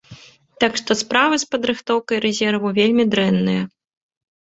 Так што справы з падрыхтоўкай рэзерву вельмі дрэнныя.